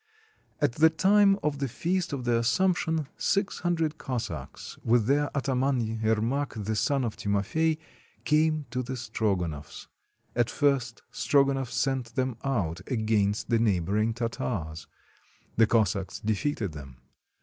At the time of the Feast of the Assumption six hundred Cossacks, with their ataman, Yermak, the son of Timof ey came to the Strogonoffs. At first Strogonoff sent them out against the neighboring Tartars. The Cossacks de feated them.